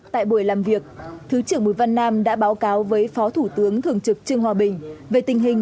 tại buổi làm việc thứ trưởng bùi văn nam đã báo cáo với phó thủ tướng thường trực trương hòa bình về tình hình